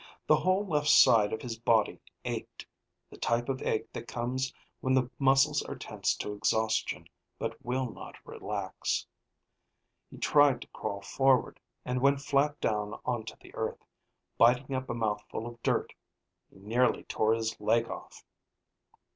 The whole left side of his body ached, the type of ache that comes when the muscles are tensed to exhaustion but will not relax. He tried to crawl forward, and went flat down onto the earth, biting up a mouthful of dirt. He nearly tore his leg off.